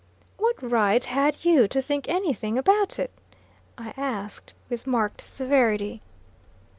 "What right had you to think any thing about it?" I asked, with marked severity.